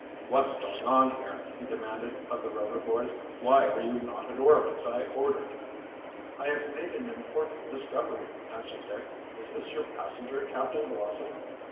"What's going on here?" he demanded of the Rover boys. "Why are you not at work, as I ordered?" "I have made an important discovery," answered Dick. "Is this your passenger, Captain Blossom?"